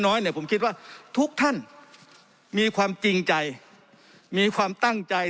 น้อยเนี่ยผมคิดว่าทุกท่านมีความจริงใจมีความตั้งใจ